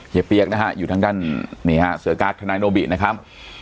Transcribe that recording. เฮียเปี๊ยกนะฮะอยู่ทางด้านเซอร์การ์ดทนายโนบินะครับ